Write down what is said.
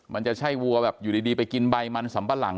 มันจะใช่วัวแบบอยู่ดีไปกินใบมันสำปะหลัง